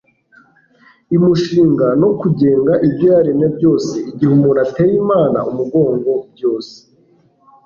imushinga no kugenga ibyo yaremye byose. igihe muntu ateye imana umugongo, byose